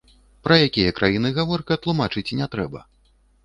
Пра якія краіны гаворка, тлумачыць не трэба.